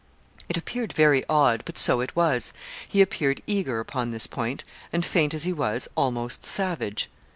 It appeared very odd, but so it was, he appeared eager upon this point, and, faint as he was, almost savage.